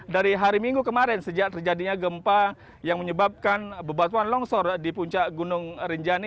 dari hari minggu kemarin sejak terjadinya gempa yang menyebabkan bebatuan longsor di puncak gunung rinjani